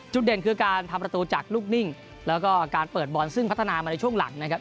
เด่นคือการทำประตูจากลูกนิ่งแล้วก็การเปิดบอลซึ่งพัฒนามาในช่วงหลังนะครับ